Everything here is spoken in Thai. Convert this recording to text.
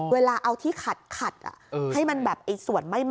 เวลาเอาที่ขัดให้มันแบบส่วนไม่หมด